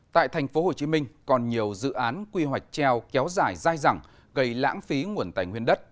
tại thành phố hồ chí minh còn nhiều dự án quy hoạch treo kéo dài dai dẳng gây lãng phí nguồn tài nguyên đất